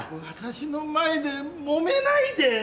私の前でもめないで！